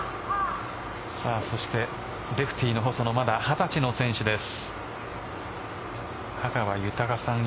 そしてレフティーの細野まだ、２０歳の選手です。